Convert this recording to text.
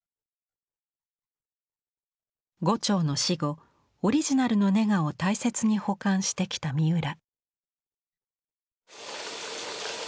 牛腸の死後オリジナルのネガを大切に保管してきた三浦。